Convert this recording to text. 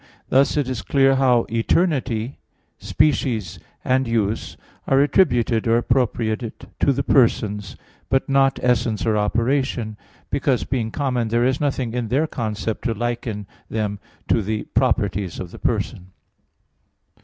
Thus it is clear how "eternity," species, and "use" are attributed or appropriated to the persons, but not essence or operation; because, being common, there is nothing in their concept to liken them to the properties of the Persons.